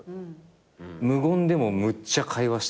無言でもむっちゃ会話してる。